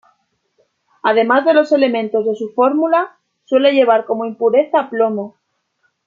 Además de los elementos de su fórmula, suele llevar como impureza plomo.